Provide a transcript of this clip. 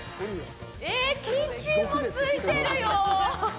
え、キッチンもついてるよ！